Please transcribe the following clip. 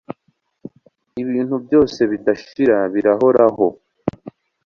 Ibintu byose bidashira birahoraho.